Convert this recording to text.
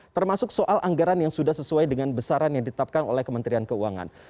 termasuk soal anggaran yang sudah sesuai dengan besaran yang ditetapkan oleh kementerian keuangan